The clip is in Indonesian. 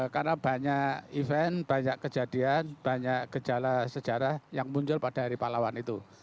karena banyak event banyak kejadian banyak gejala sejarah yang muncul pada hari pahlawan itu